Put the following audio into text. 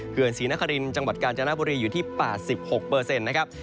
ศรีนครินทร์จังหวัดกาญจนบุรีอยู่ที่๘๖นะครับ